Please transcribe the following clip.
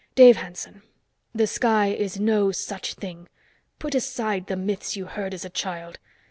Dave Hanson, the sky is no such thing. Put aside the myths you heard as a child.